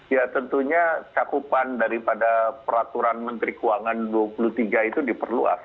ya tentunya cakupan daripada peraturan menteri keuangan dua puluh tiga itu diperluas